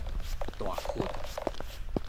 大窟